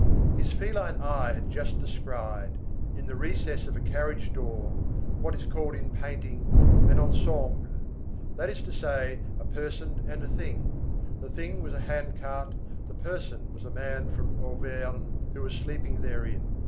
His feline eye had just descried, in the recess of a carriage door, what is called in painting, an ensemble, that is to say, a person and a thing; the thing was a hand cart, the person was a man from Auvergene who was sleeping therein.